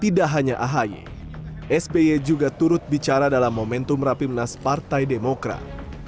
tidak hanya ahy sby juga turut bicara dalam momentum rapimnas partai demokrat